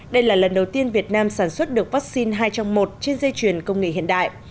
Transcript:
đây là lần đầu tiên việt nam sản xuất được vaccine hai trong một trên dây chuyền công nghệ hiện đại